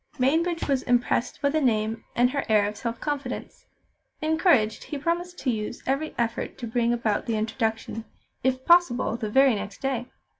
Mainbridge was impressed by the name and her air of self confidence. Encouraged, he promised to use every effort to bring about the introduction, if possible the very next day.